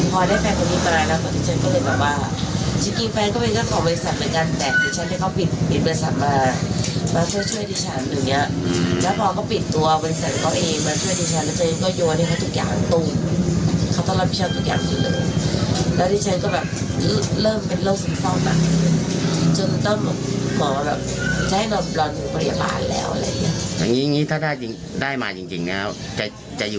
บริษัทเหมือนกันแต่ที่ฉัน็ก็ปิดบิดคำมามาช่วย